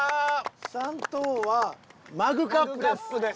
３等はマグカップです。